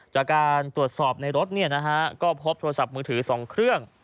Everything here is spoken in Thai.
จากการตรวจสอบในรถก็พบโทรศัพท์มือถือ๒เครื่อง